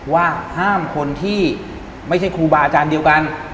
ว่าห้ามคนที่ไม่ใช่ครูบาอาจารย์เดียวกัน